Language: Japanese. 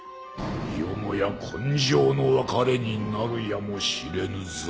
よもや今生の別れになるやもしれぬぞ。